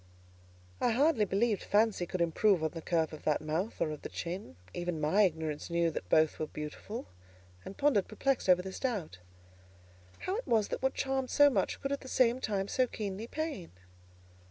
I hardly believed fancy could improve on the curve of that mouth, or of the chin; even my ignorance knew that both were beautiful, and pondered perplexed over this doubt: "How it was that what charmed so much, could at the same time so keenly pain?"